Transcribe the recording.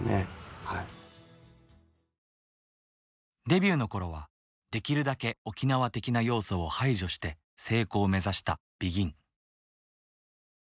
デビューの頃はできるだけ沖縄的な要素を排除して成功を目指したＢＥＧＩＮ。